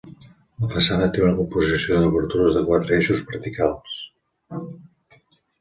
La façana té una composició d'obertures de quatre eixos verticals.